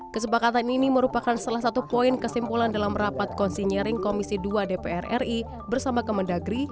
kesepakatan ini merupakan salah satu poin kesimpulan dalam rapat konsinyering komisi dua dpr ri bersama kemendagri